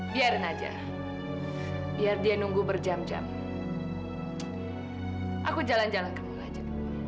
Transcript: biarin aja biar dia nunggu berjam jam aku jalan jalan ketemu aja